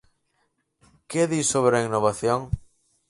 ¿Que di sobre a innovación?